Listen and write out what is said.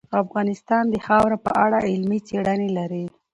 افغانستان د خاوره په اړه علمي څېړنې لري.